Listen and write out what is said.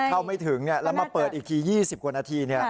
เข้าไม่ถึงแล้วมาเปิดอีกที๒๐กว่านาที